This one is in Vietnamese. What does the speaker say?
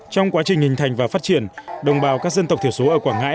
trong quá trình hình thành và phát triển đồng bào các dân tộc thiểu số ở quảng ngãi